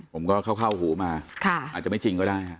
ผมก็เข้าหูมาอาจจะไม่จริงก็ได้